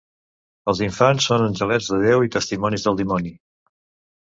Els infants són angelets de Déu i testimonis del dimoni.